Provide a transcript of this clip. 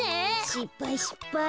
しっぱいしっぱい。